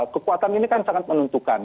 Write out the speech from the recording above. kekuatan ini kan sangat menentukan